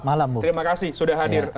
malam terima kasih sudah hadir